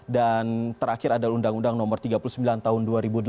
terakhir adalah undang undang nomor tiga puluh sembilan tahun dua ribu delapan